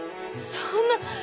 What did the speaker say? そんな。